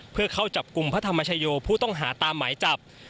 เพื่อเข้าจับกลุ่มพระธรรมชโยผู้ต้องหาตามหมายจับ